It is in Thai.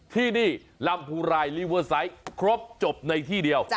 ที่นี่ลำพูรายลิเวอร์ไซต์ครบจบในที่เดียว